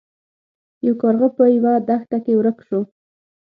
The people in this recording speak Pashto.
یو کارغه په یوه دښته کې ورک شو.